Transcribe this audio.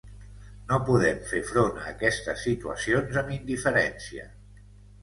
No podem fer front a aquestes situacions amb indiferència.